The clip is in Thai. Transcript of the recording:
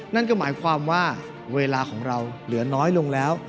นั่นก็หมายความว่าเวลาของเราเหลือน้อยลงแล้ว